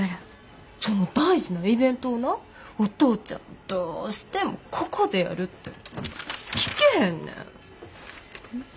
その大事なイベントをなお父ちゃんどうしてもここでやるって聞けへんねん。